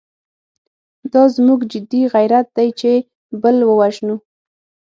دا زموږ جدي غیرت دی چې بل ووژنو.